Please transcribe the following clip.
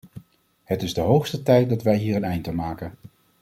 Het is de hoogste tijd dat wij hier een eind aan maken.